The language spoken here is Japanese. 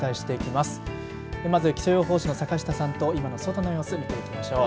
まず気象予報士の坂下さんと外の様子を見ていきましょう。